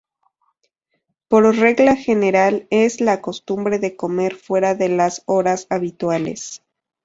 Por regla general es la costumbre de comer fuera de las horas habituales.